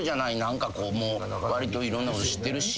何かこうもうわりといろんなこと知ってるし。